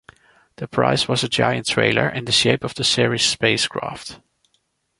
The prize was a giant trailer in the shape of the series' space craft.